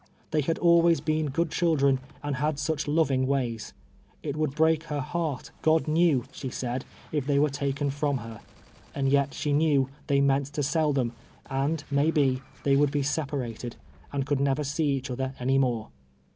They had always been good cliildren, and had such loving wjiys. It would Ijreak lier heart, God knew, she said, if they were ta ken from her ; and yet she knew they meant to sell them, and, may be, they would be separated, and could never see each other any more.